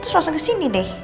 terus langsung ke sini deh